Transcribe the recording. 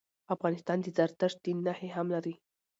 افغانستان د زردشت دین نښي هم لري.